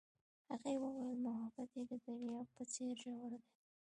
هغې وویل محبت یې د دریاب په څېر ژور دی.